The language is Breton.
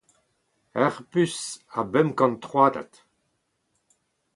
Ur puñs a bemp kant troatad.